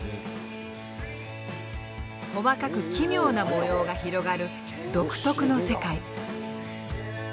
細かく奇妙な模様が広がる独特の世界。